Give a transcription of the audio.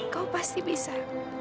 kau pasti bisa